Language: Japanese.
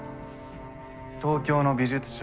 東京の美術商。